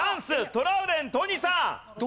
トラウデン都仁さん。